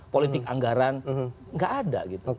politik anggaran nggak ada gitu